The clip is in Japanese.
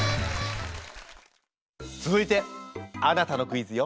続いてあなたのクイズよ。